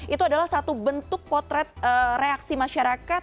itu adalah satu bentuk potret reaksi masyarakat